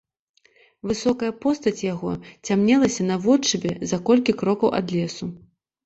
Высокая постаць яго цямнелася наводшыбе за колькі крокаў ад лесу.